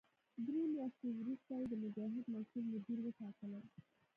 درې میاشتې وروسته یې د مجاهد مسوول مدیر وټاکلم.